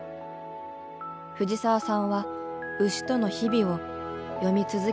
藤澤さんは牛との日々を詠み続けてきた。